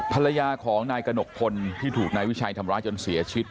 ภรรยาของนายกระหนกพลที่ถูกนายวิชัยทำร้ายจนเสียชีวิต